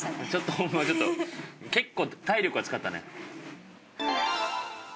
ホンマちょっと結構体力は使ったね。